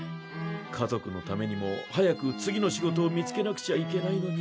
家族のためにも早く次の仕事を見つけなくちゃいけないのに。